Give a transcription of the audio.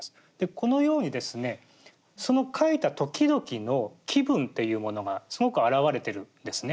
このようにですねその書いたときどきの気分っていうものがすごく表れてるんですね。